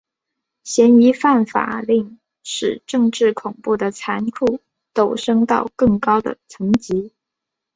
嫌疑犯法令使政治恐怖的残酷陡升到更高的层级。